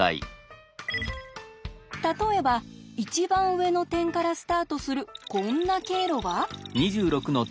例えば一番上の点からスタートするこんな経路は？